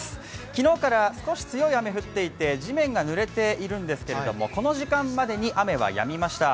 昨日から少し強い雨が降っていて地面がぬれているんですけれども、この時間までに、雨はやみました。